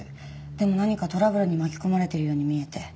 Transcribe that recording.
でも何かトラブルに巻き込まれているように見えて。